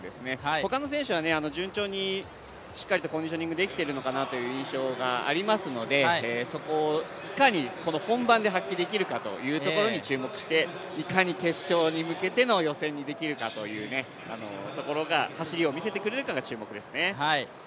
他の選手は順調にしっかりとコンディショニングできてるのかなというのはありますのでそこをいかに本番で発揮できるかというところに注目して、いかに決勝に向けての予選にできるかというところ走りを見せてくれるかが注目ですね。